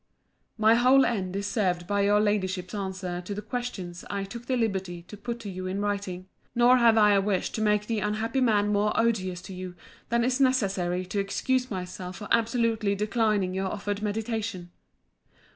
My whole end is served by your Ladyship's answer to the questions I took the liberty to put to you in writing. Nor have I a wish to make the unhappy man more odious to you than is necessary to excuse myself for absolutely declining your offered mediation.